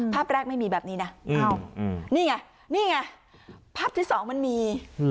ภาพแรกไม่มีแบบนี้นะนี่ไงนี่ไงภาพที่สองมันมี